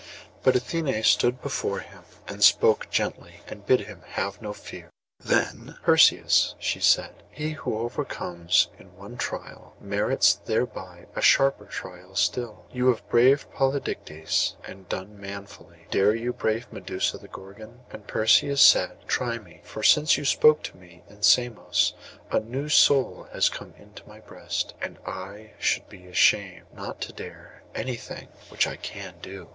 But Athené stood before him and spoke gently, and bid him have no fear. Then— 'Perseus,' she said, 'he who overcomes in one trial merits thereby a sharper trial still. You have braved Polydectes, and done manfully. Dare you brave Medusa the Gorgon?' And Perseus said, 'Try me; for since you spoke to me in Samos a new soul has come into my breast, and I should be ashamed not to dare anything which I can do.